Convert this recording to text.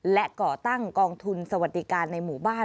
และก่อตั้งกองทุนสวัสดิการในหมู่บ้าน